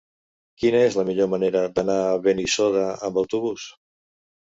Quina és la millor manera d'anar a Benissoda amb autobús?